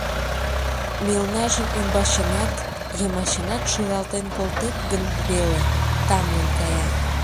— Мелнажым ӱмбачынат, йымачынат шӱралтен колтет гын веле, тамлын кая.